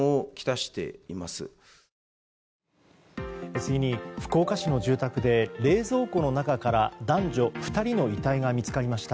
次に、福岡市の住宅で冷蔵庫の中から男女２人の遺体が見つかりました。